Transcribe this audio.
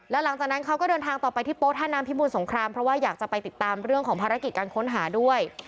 แล้วหลังจากนั้นเขาก็เดินทางต่อไปที่โป๊ท่าน้ำพิบูรสงครามเพราะว่าอยากจะไปติดตามเรื่องของภารกิจการค้นหาด้วย